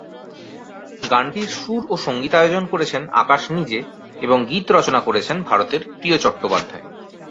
গানটির সুর ও সঙ্গীতায়োজন করেছেন আকাশ নিজে এবং গীত রচনা করেছেন ভারতের প্রিয় চট্টোপাধ্যায়।